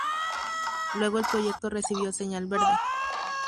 Luego el proyecto recibió señal verde.